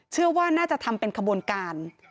เชื่อว่าน่าจะทำเป็นขบวนการ